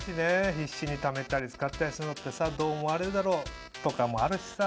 必死にためたり使ったりするのってさどう思われるだろう？とかもあるしさ。